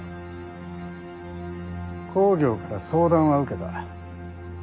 公暁から相談は受けた。